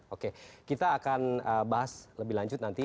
oke kita akan bahas lebih lanjut nanti